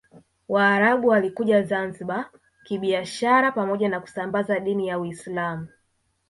Waarabu walikuja Zanzibar kibiashara pamoja na kusambaza dini ya Uislamu